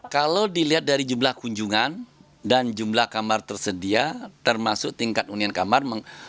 kalau dilihat dari jumlah kunjungan dan jumlah kamar tersedia termasuk tingkat hunian kamar